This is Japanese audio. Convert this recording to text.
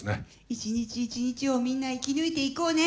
一日一日をみんな生き抜いていこうね。